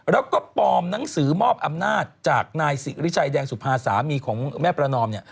แล้วก็ปลอมหนังสือมอบอำนาจจากนายสิริชัยแดงสุภาสามีของแม่ประนอมเนี่ย